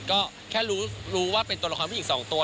ก็แค่รู้ว่าเป็นตัวละครผู้หญิง๒ตัว